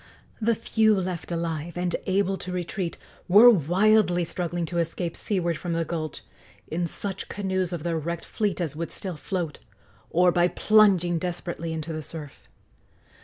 The few left alive and able to retreat were wildly struggling to escape seaward from the gulch in such canoes of their wrecked fleet as would still float, or by plunging desperately into the surf.